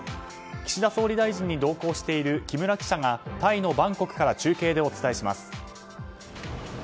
岸田総理大臣に同行している木村記者がタイのバンコクから中継からお伝えします。